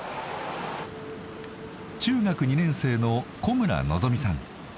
中学２年生の小村のぞ実さん。